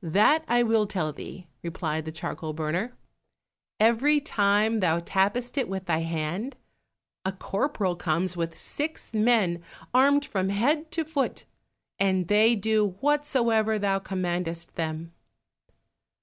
"That will I tell thee," replied the charcoal burner; "every time thou tappest it with thy hand, a corporal comes with six men armed from head to foot, and they do whatsoever thou commandest them."